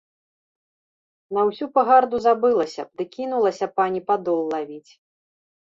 На ўсю пагарду забылася б ды кінулася пані падол лавіць.